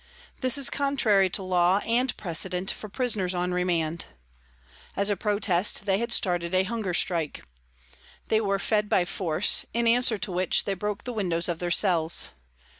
This is contrary to law and precedent for prisoners on remand. As a protest they had started a hunger strike. They were fed by force, in answer to which they broke the windows of their cells.